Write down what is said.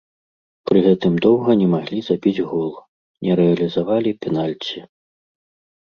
Пры гэтым доўга не маглі забіць гол, не рэалізавалі пенальці.